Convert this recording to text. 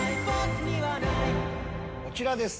こちらです。